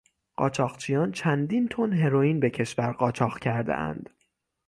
قاچاقچیان چندین تن هروئین به کشور قاچاق کردهاند.